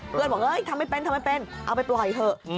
เพื่อนบอกทำไม่เป็นเอาไปปล่อยเถอะ